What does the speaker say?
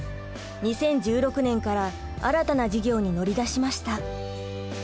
２０１６年から新たな事業に乗り出しました。